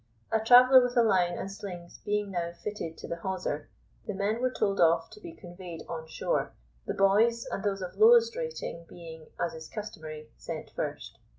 A traveller with a line and slings being now fitted to the hawser, the men were told off to be conveyed on shore, the boys and those of lowest rating, being, as is customary, sent first.